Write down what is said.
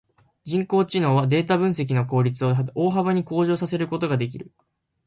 人工知能はデータ分析の効率を大幅に向上させることができる。